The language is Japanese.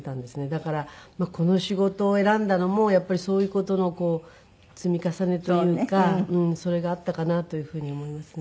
だからこの仕事を選んだのもやっぱりそういう事の積み重ねというかそれがあったかなというふうに思いますね。